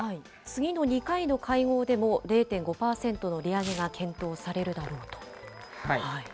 次の２回の会合でも、０．５％の利上げが検討されるだろうと。